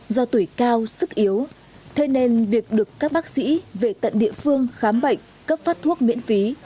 do tuổi cao sức yếu thế nên việc được các bác sĩ về tận địa phương khám bệnh cấp phát thuốc miễn phí